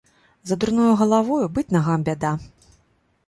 За дурною галавою гатова быць нагам бяда.